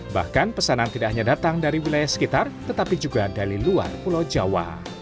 bahkan pesanan tidak hanya datang dari wilayah sekitar tetapi juga dari luar pulau jawa